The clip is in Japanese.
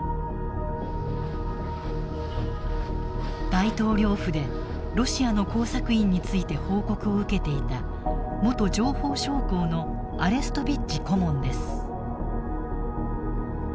大統領府でロシアの工作員について報告を受けていた元情報将校のアレストビッチ顧問です。